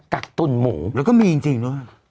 กักตุ่นหมูแล้วก็มีจริงด้วย